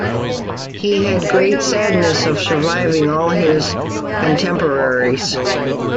He had the great sadness of surviving all his contemporaries.